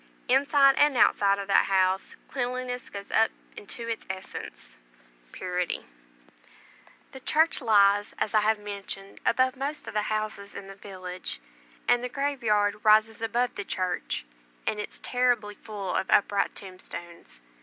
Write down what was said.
Inside and outside of that house cleanliness goes up into its essence, purity. The little church lies, as I mentioned, above most of the houses in the village; and the graveyard rises above the church, and is terribly full of upright tombstones.